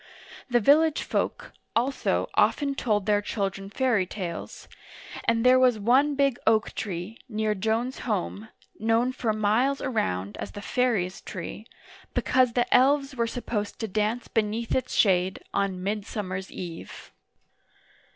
The village folk, also, often told their children fairy tales, and there was one big oak tree, near Joan's home, known for miles around as the fairies' tree, be cause the elves were supposed to dance beneath its shade , on Midsummer's Eve.